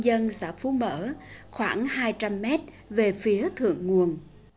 bến nước phú giang cách ủy ban nhân dân xã phú mỡ khoảng hai trăm linh mét về phía thượng nguồn